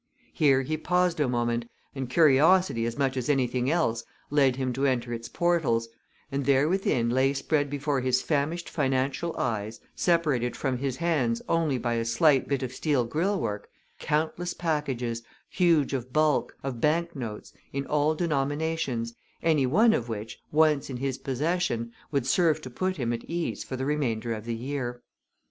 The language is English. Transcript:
Here he paused a moment, and curiosity as much as anything else led him to enter its portals, and there within lay spread before his famished financial eyes, separated from his hands only by a slight bit of steel grillwork, countless packages, huge of bulk, of bank notes, in all denominations, any one of which, once in his possession, would serve to put him at ease for the remainder of the year.